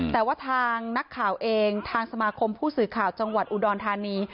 แต่ว่าทางนักข่าวเองทางสมาคมผู้สื่อข่าวจังหวัดอุดรธานี